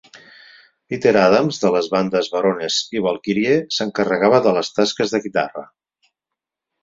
Peter Adams de les bandes Baroness i Valkyrie s'encarregava de les tasques de guitarra.